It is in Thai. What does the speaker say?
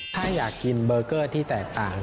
ถ้าอยากกินเบอร์เกอร์ที่แตกต่าง